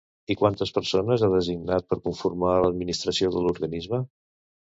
I quantes persones ha designat per conformar l'administració de l'organisme?